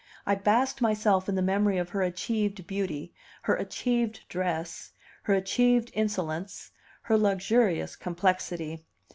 I basked myself in the memory of her achieved beauty, her achieved dress, her achieved insolence, her luxurious complexity.